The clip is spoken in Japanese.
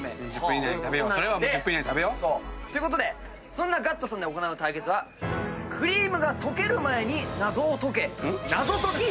１０分以内に食べよう。ということでそんな「ｇａｔｔｏ」さんで行う対決はクリームが溶ける前に謎を解け！